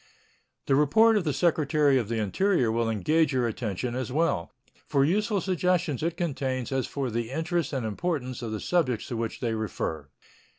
The report of the Secretary of the Interior will engage your attention as well for useful suggestions it contains as for the interest and importance of the subjects to which they refer.